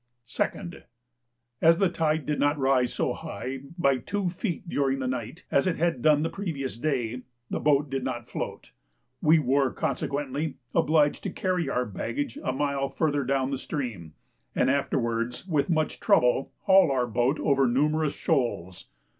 2nd. As the tide did not rise so high by two feet during the night as it had done the previous day, the boat did not float; we were, consequently, obliged to carry our baggage a mile further down the stream, and afterwards, with much trouble, haul our boat over numerous shoals.